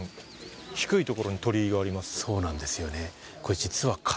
そうなんですよね。